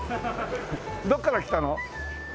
どこから来たの？